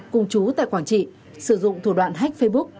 cùng trú tài khoản chị sử dụng thủ đoạn hack facebook